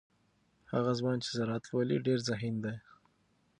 هغه ځوان چې زراعت لولي ډیر ذهین دی.